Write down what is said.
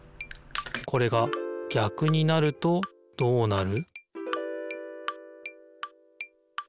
これが逆になるとどうなる？